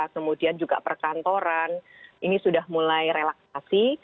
kemudian juga perkantoran ini sudah mulai relaksasi